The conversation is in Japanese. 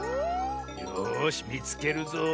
よしみつけるぞ。